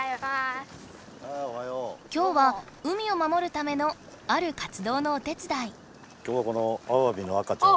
今日は海を守るためのある活どうのお手つだい。